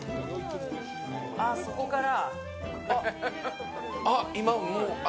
そこから。